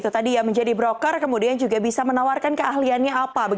jadi yang menjadi broker kemudian bisa menawarkan keahliannya apa